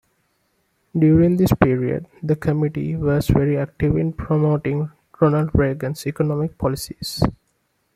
During this period, the committee was very active in promoting Ronald Reagan's economic policies.